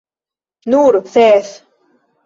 Nur ses!